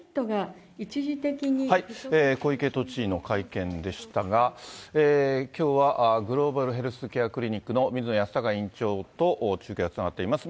小池都知事の会見でしたが、きょうはグローバルヘルスケアクリニックの水野泰孝院長と中継がつながっています。